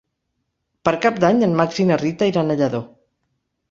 Per Cap d'Any en Max i na Rita iran a Lladó.